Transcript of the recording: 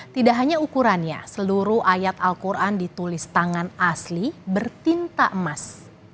tidak hanya ukurannya seluruh ayat al quran ditulis tangan asli bertinta emas